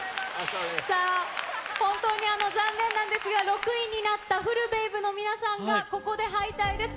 さあ、本当に残念なんですが、６位になったＦＵＬＬＢＡＢＥの皆さんが、ここで敗退です。